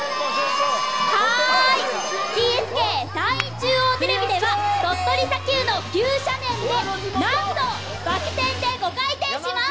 ＴＳＫさんいん中央テレビでは鳥取砂丘の急斜面で何とバク転で５回転します。